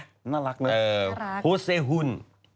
โฮเซฮุน